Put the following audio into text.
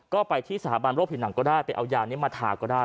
ก็ไปที่สถาบันโรคผิวหนังก็ได้ไปเอายานี้มาทาก็ได้